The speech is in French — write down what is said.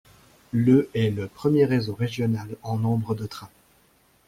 Le est le premier réseau régional en nombre de trains.